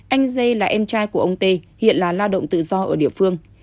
anh d là em trai của ông t hiện là lao động tự do ở địa phương